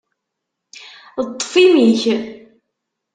Ṭṭef imi-k!